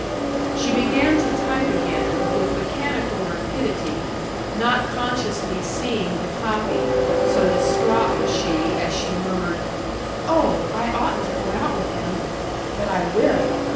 She began to type again, with mechanical rapidity, not consciously seeing the copy, so distraught was she as she murmured, "Oh, I oughtn't to go out with him.... But I will!...